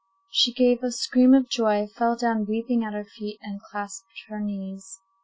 She gave a scream of joy, fell down weeping at her feet, and clasped her knees.